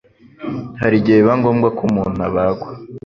hari igihe biba ngombwa ko umuntu abagwa